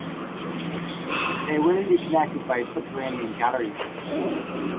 They will be connected by subterranean galleries.